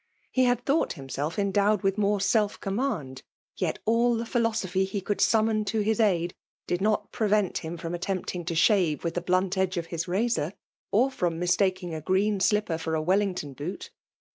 He had thought himself endowed with more self com mand; yet all the philosophy he could sum mon to his aid did not prevent him from attempting to shave with the blunt edge of his razor, ox from mistaking a green slipper for a Wellington boot.